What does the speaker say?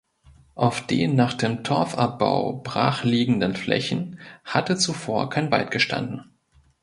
Auf den nach dem Torfabbau brach liegenden Flächen hatte zuvor kein Wald gestanden.